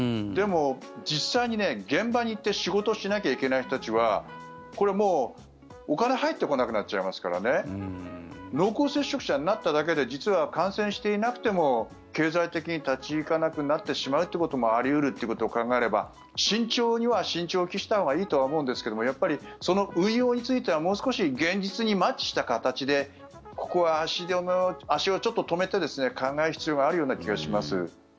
でも、実際に現場に行って仕事しなきゃいけない人たちはこれ、もう、お金が入ってこなくなっちゃいますから濃厚接触者になっただけで実は感染していなくても経済的に立ち行かなくなってしまうこともあり得るということを考えれば慎重には慎重を期したほうがいいとは思うんですけどもやっぱりその運用についてはもう少し現実にマッチした形でここは足をちょっと止めて考える必要がある気がします。